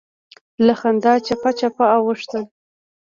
له خندا چپه چپه اوښتل.